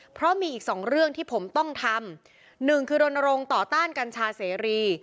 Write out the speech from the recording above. เพราะมีอีกสองเรื่องที่ผมต้องทำหนึ่งคือรณรงค์ต่อต้านกัญชาเสรี